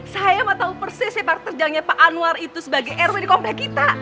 saya sama tahu persis si parterjangnya pak anwar itu sebagai rw di komplek kita